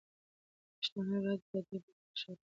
پښتانه باید په دې برخه کې شاته پاتې نه شي.